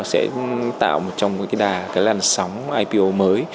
sẽ tạo một trong những làn sóng ipo mới